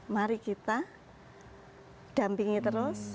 mari kita dampingi terus